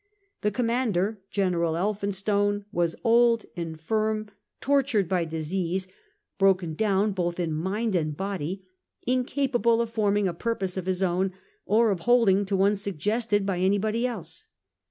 The com mander, General Elphinstone, was old, infirm, tor 1841 . AKBAR KHAN. m tured by disease, broken down both in mind and body, incapable of forming a purpose of his own, or of holding to one suggested by anybody else.